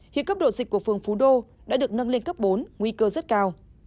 hiện cấp độ dịch của phường phú đô đã được nâng lên cấp bốn nguy cơ rất cao